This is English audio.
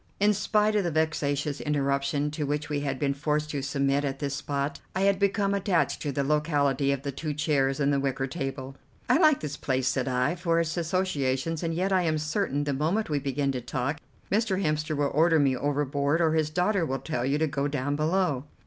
In spite of the vexatious interruption to which we had been forced to submit at this spot, I had become attached to the locality of the two chairs and the wicker table. "I like this place," said I, "for its associations, and yet I am certain, the moment we begin to talk, Mr. Hemster will order me overboard, or his daughter will tell you to go down below."